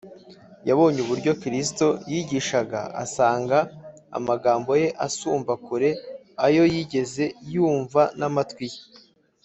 yabonye uburyo kristo yigishaga, asanga amagambo ye asumba kure ayo yigeze yumva n’amatwi ye